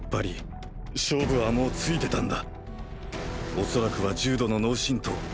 おそらくは重度の脳しんとう。